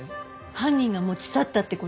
犯人が持ち去ったって事？